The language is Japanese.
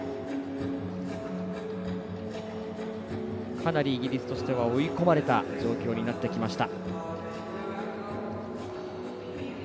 かなりイギリスとしては追い込まれた状況になってきました。